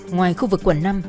ngoài khu vực quận năm